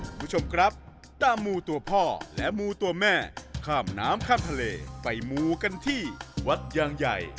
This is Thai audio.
คุณผู้ชมครับตามมูตัวพ่อและมูตัวแม่ข้ามน้ำข้ามทะเลไปมูกันที่วัดยางใหญ่